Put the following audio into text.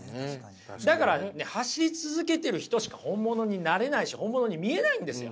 だから走り続けてる人しか本物になれないし本物に見えないんですよ。